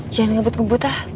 jangan ngebut ngebut ah